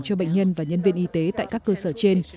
cho bệnh nhân và nhân viên y tế tại các cơ sở trên